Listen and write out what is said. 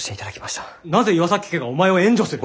なぜ岩崎家がお前を援助する！？